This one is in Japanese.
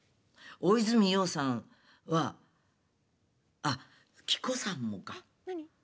大泉洋さんはあっ希子さんもか」。えっ何⁉